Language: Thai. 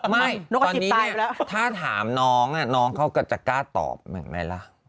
ไม่ตอนนี้ถ้าถามน้องน้องเขาก็จะกล้าตอบแบบไหนล่ะ